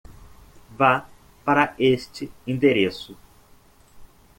Vá para este endereço.